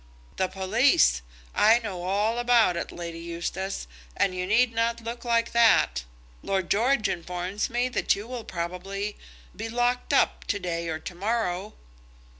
"The police. I know all about it, Lady Eustace, and you need not look like that. Lord George informs me that you will probably be locked up to day or to morrow."